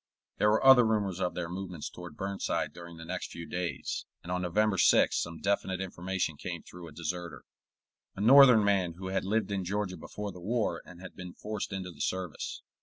There were other rumors of their movements toward Burnside during the next few days, and on November 6th some definite information came through a deserter, a Northern man who had lived in Georgia before the war and had been forced into the service.